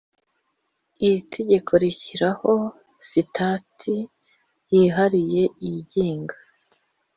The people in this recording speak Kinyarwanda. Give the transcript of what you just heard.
Iri teka rishyiraho sitati yihariye igenga